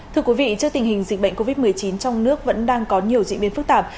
thưa quý vị trước tình hình dịch bệnh covid một mươi chín trong nước vẫn đang có nhiều diễn biến phức tạp